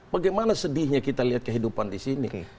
bagaimana sedihnya kita lihat kehidupan di sini